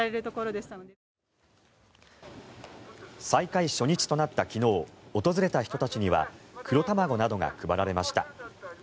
再開初日となった昨日訪れた人たちには黒たまごなどが配られました。